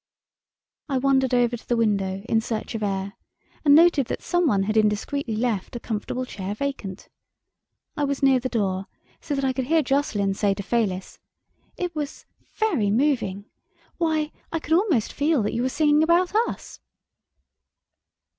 I wandered over to the window, in search of air, and noted that someone had indiscreetly left a comfortable chair vacant. I was near the door, so that I could hear Jocelyn say to Fayliss: "It was very moving. Why, I could almost feel that you were singing about us."